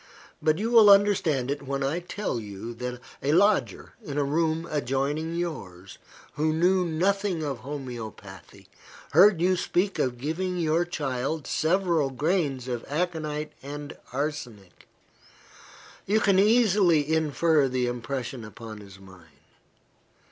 But you will understand it when I tell you, that a lodger, in a room adjoining yours, who knew nothing of homoeopathy, heard you speak of giving your child several grains of aconite and arsenic. You can easily infer the impression upon his mind.